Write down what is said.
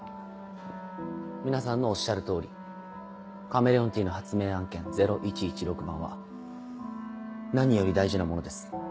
皆さんのおっしゃる通りカメレオンティーの発明案件０１１６番は何より大事なものです。